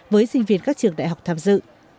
với sinh viên các trường đại học tham dự